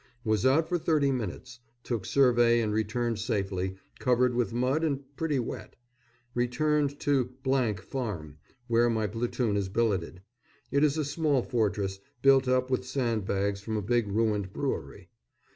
Was out for thirty minutes, took survey and returned safely, covered with mud and pretty wet. Returned to Farm, where my platoon is billeted. It is a small fortress, built up with sandbags from a big ruined brewery.